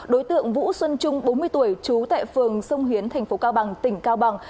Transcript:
đối tượng vũ xuân trung bốn mươi tuổi trú tại phường sông hiến thành phố cao bằng tỉnh cao bằng